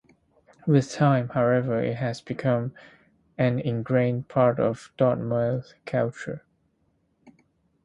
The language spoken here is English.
With time, however, it has become an "ingrained part of Dartmouth culture".